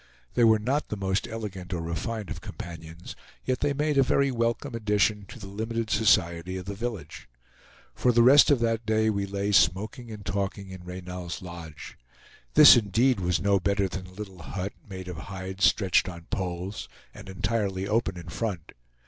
They were not the most elegant or refined of companions, yet they made a very welcome addition to the limited society of the village. For the rest of that day we lay smoking and talking in Reynal's lodge. This indeed was no better than a little hut, made of hides stretched on poles, and entirely open in front.